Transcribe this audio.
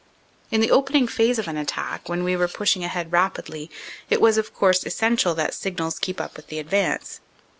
In the opening phase of an attack, when we were pushing ahead rapidly, it was, of course, essential that Signals keep up with the advance.